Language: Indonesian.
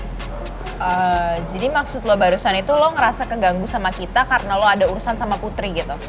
hmm jadi maksud lo barusan itu lo ngerasa keganggu sama kita karena lo ada urusan sama putri gitu